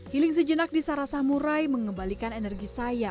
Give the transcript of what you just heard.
healing sejenak di sarasah murai mengembalikan energi saya